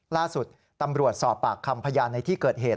ล่าสุดตำรวจสอบปากคำพยานในที่เกิดเหตุ